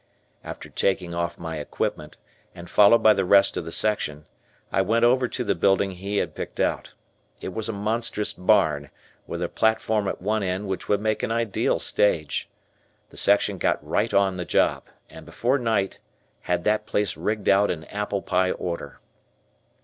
After taking off my equipment, and followed by the rest of the section, I went over to the building he had picked out. It was a monstrous barn with a platform at one end which would make an ideal stage. The section got right on the job, and before night had that place rigged out in apple pie order.